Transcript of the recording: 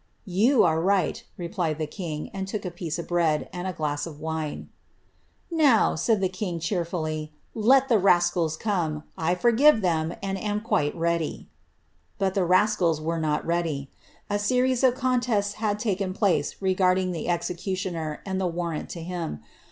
i right,'' replied the king, and took a piece of bread, and a e. said the king, cheerfully, ^ let the rascals come. I have m, and am quite ready." rascals were not ready. A series of contests had taken ding the executioner, and the warrant to him.